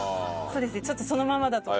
そうですねちょっとそのままだと。